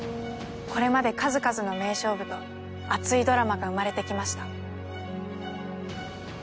これまで数々の名勝負と熱いドラマが生まれてきました。